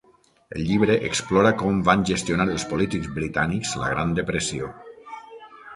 El llibre explora com van gestionar els polítics britànics la Gran depressió.